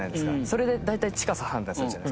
それで大体近さ判断するじゃないですか。